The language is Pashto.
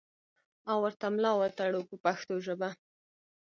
او ورته ملا وتړو په پښتو ژبه.